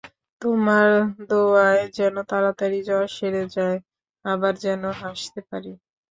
তোমার দোয়ায় যেন তাড়াতাড়ি জ্বর সেরে যায়, আবার যেন হাসতে পারি।